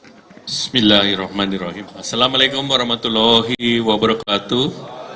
bismillahirrahmanirrahim assalamu alaikum warahmatullahi wabarakatuh